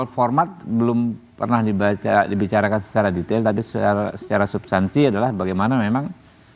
format belum pernah dibicarakan secara detail tapi secara substansi adalah bagaimana memang